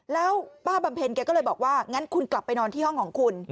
แล้วป้าบำเพ็ญแกก็เลยบอกว่างั้นคุณกลับไปนอนที่ห้องของคุณ